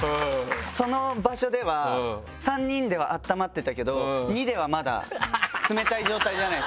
その場所では３人ではあったまってたけど２ではまだ冷たい状態じゃないですか。